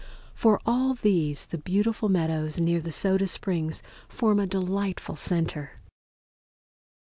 For all these the beautiful meadows near the Soda Springs form a delightful center.